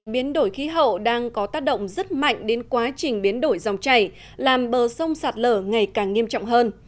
biến đổi khí hậu đang có tác động rất mạnh đến quá trình biến đổi dòng chảy làm bờ sông sạt lở ngày càng nghiêm trọng hơn